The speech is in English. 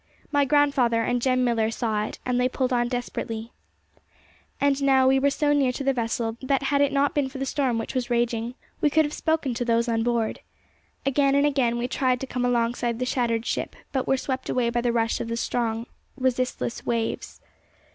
My grandfather and Jem Millar saw it, and they pulled on desperately. And now we were so near to the vessel that had it not been for the storm which was raging, we could have spoken to those on board. Again and again we tried to come alongside the shattered ship, but were swept away by the rush of the strong, resistless waves.